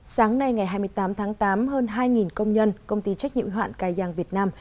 sáng nay ngày hai mươi tám tháng tám hơn hai công nhân công ty trách nhiệm hoạn cài giang việt nam